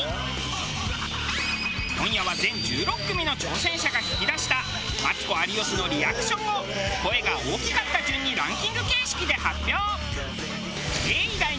今夜は全１６組の挑戦者が引き出したマツコ有吉のリアクションを声が大きかった順にランキング形式で発表。